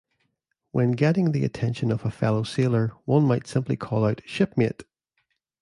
When getting the attention of a fellow sailor, one might simply call out Shipmate!